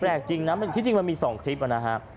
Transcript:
จริงนะที่จริงมันมี๒คลิปนะฮะ